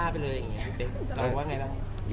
เป็นไงแล้ว